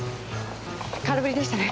空振りでしたね。